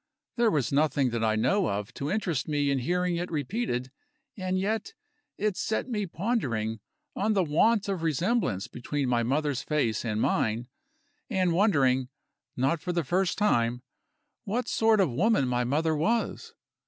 There was nothing that I know of to interest me in hearing it repeated and yet it set me pondering on the want of resemblance between my mother's face and mine, and wondering (not for the first time) what sort of woman my mother was.